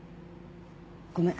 ごめん。